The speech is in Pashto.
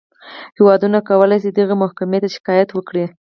هېوادونه کولی شي دغې محکمې ته شکایت وکړي.